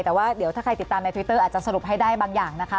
แต่ว่าเดี๋ยวถ้าใครติดตามในทวิตเตอร์อาจจะสรุปให้ได้บางอย่างนะคะ